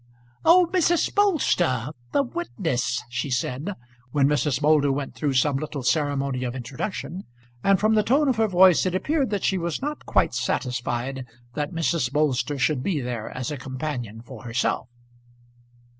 "Oh, Mrs. Bolster; the witness!" she said, when Mrs. Moulder went through some little ceremony of introduction. And from the tone of her voice it appeared that she was not quite satisfied that Mrs. Bolster should be there as a companion for herself.